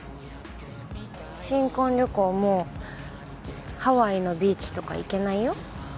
新婚旅行もハワイのビーチとか行けないよ。